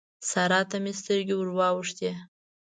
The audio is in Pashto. سارا ته مې سترګې ور واوښتې.